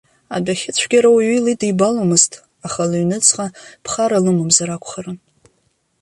Адәахьы цәгьара уаҩы илыдибаломызт, аха лыҩныҵҟа ԥхара лымамзар акәхарын.